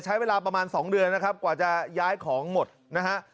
ใช้เวลาประมาณ๒เดือนนะครับกว่าจะย้ายของหมดนะฮะ